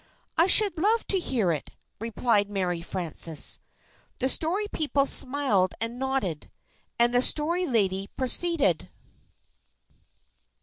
"I should love to hear it!" replied Mary Frances. The story people smiled and nodded, and the Story Lady proceeded.